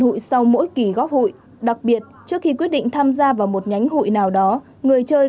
hụi sau mỗi kỳ góp hụi đặc biệt trước khi quyết định tham gia vào một nhánh hội nào đó người chơi